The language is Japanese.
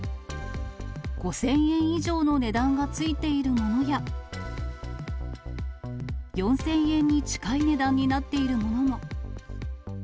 ５０００円以上の値段がついているものや、４０００円に近い値段になっているものも。